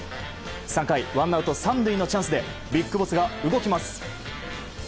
３回、ワンアウト３塁のチャンスでＢＩＧＢＯＳＳが動きます。